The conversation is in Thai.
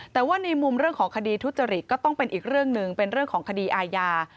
แต่ว่าในมุมเรื่องของคดีทุจริตก็ต้องเป็นอีกเรื่องหนึ่งเป็นเรื่องของคดีอาญา